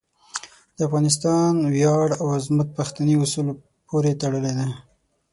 د افغانستان ویاړ او عظمت پښتني اصولو پورې تړلی دی.